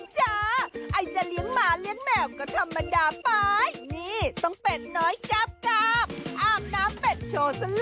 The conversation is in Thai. จแจ๊ะริมจ